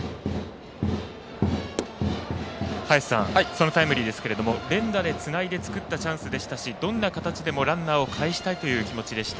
そのタイムリーですが連打でつないで作ったチャンスでしたしどんな形でもランナーをかえしたいという気持ちでした。